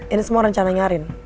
ini semua rencananya arin